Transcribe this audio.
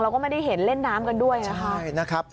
เราก็ไม่ได้เห็นเล่นน้ำกันด้วยนะคะ